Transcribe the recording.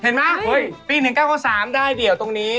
เห็นไหมปี๑๙๙๓ได้เดี่ยวตรงนี้